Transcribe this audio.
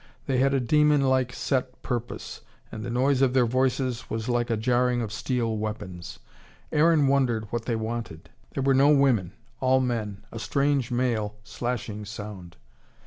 They had a demon like set purpose, and the noise of their voices was like a jarring of steel weapons. Aaron wondered what they wanted. There were no women all men a strange male, slashing sound.